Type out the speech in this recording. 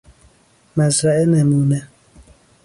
مزرعه نمونه